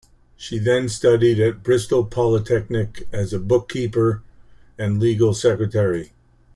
She then studied at Bristol Polytechnic as a bookkeeper and legal secretary.